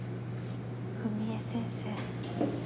史絵先生